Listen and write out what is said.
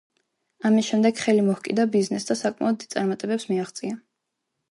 ამის შემდეგ ხელი მოჰკიდა ბიზნესს და საკმაოდ დიდ წარმატებებს მიაღწია.